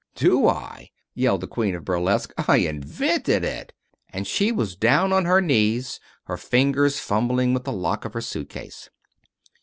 "Do I?" yelled the queen of burlesque. "I invented it." And she was down on her knees, her fingers fumbling with the lock of her suitcase.